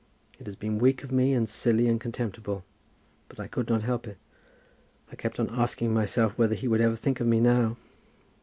It has been weak of me, and silly, and contemptible. But I could not help it. I kept on asking myself whether he would ever think of me now.